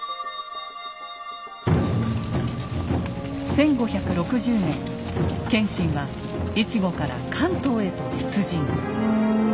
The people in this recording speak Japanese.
１５６０年謙信は越後から関東へと出陣。